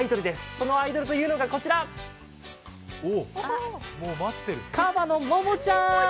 このアイドルというのが、こちら、カバのモモちゃん。